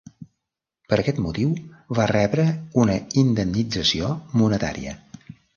Per aquest motiu va rebre una indemnització monetària.